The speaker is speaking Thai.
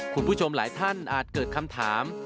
คุณผู้ชมหลายท่านอาจเกิดคำถาม